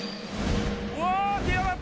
うわ手上がった！